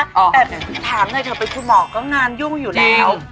แต่ถามหน่อยเถอะเป็นคุณหมอก็งานยุ่งอยู่แล้ว